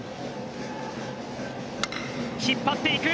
引っ張っていく！